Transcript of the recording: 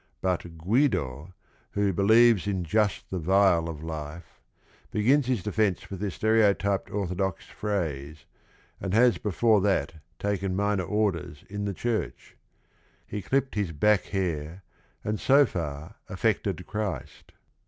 But Guido, who "believes in just the vile of life," begins his de fence with the stereotyped orthodox phrase, and has before that taken minor orders in the church ; "he clipped his back hair and so far affected Christ."